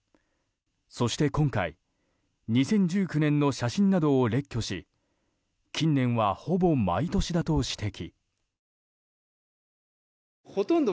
そして今回２０１９年の写真などを列挙し近年はほぼ毎年だと指摘。